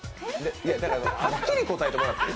だからはっきり答えてもらっていい？